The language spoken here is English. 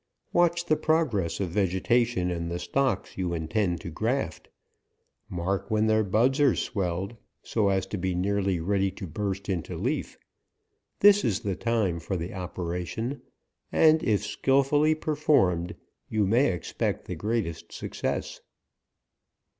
Watch the pro gress of vegetation in the stocks you intend to graft ; mark when their buds are swelled, APRIL. 63 so as to be nearly ready to burst into leaf ; this is the time for the operation, and if skil fully performed, you may expect the greatest success.